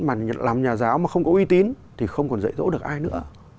mà làm nhà giáo mà không có uy tín thì không còn dạy dỗ được ai nữa